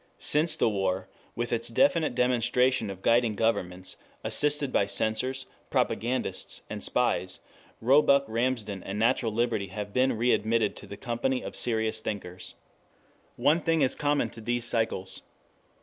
Since the war, with its definite demonstration of guiding governments, assisted by censors, propagandists, and spies, Roebuck Ramsden and Natural Liberty have been readmitted to the company of serious thinkers. One thing is common to these cycles.